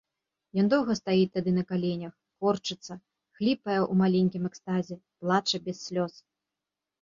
Ён доўга стаіць тады на каленях, корчыцца, хліпае ў маленькім экстазе, плача без слёз.